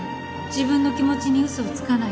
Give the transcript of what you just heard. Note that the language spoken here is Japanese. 自分の気持ちに嘘をつかないで